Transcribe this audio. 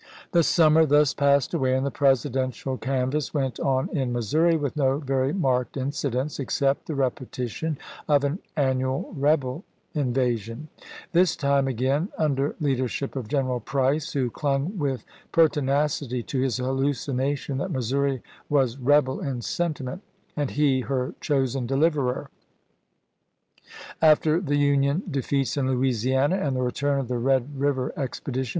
The summer thus passed away, and the Presi dential canvass went on in Missouri with no very marked incidents, except the repetition of the an nual rebel invasion; this time again under the leadership of General Price, who clung with perti nacity to his hallucination that Missouri was rebel in sentiment and he her chosen deliverer. After the Union defeats in Louisiana and the return of the Red River expedition.